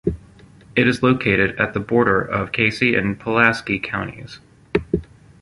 It is located at the border of Casey and Pulaski Counties.